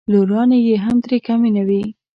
لورانې یې هم ترې کمې نه وې.